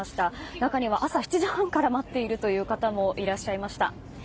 中には朝７時半から待っているという方もいらっしゃいました。